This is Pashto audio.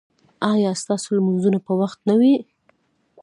ایا ستاسو لمونځونه په وخت نه دي؟